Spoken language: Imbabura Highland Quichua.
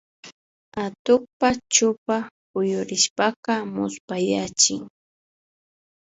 Atukpa chupa kuyurishpaka muspayachin